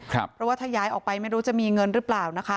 เพราะว่าถ้าย้ายออกไปไม่รู้จะมีเงินหรือเปล่านะคะ